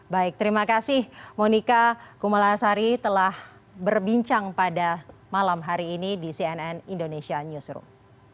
baik terima kasih monika kumalasari telah berbincang pada malam hari ini di cnn indonesia newsroom